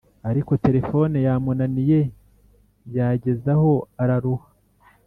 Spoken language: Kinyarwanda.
ariko terefone yamunaniye, yagezaho araruha